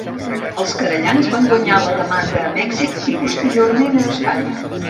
Els querellants van guanyar la demanda a Mèxic, i posteriorment a Espanya.